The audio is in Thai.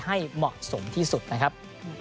ให้เหมาะสมที่สุดนะครับ